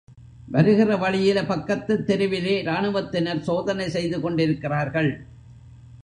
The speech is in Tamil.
வருகிற வழியில பக்கத்துத் தெருவிலே ராணுவத்தினர் சோதனை செய்து கொண்டிருக்கிறார்கள்.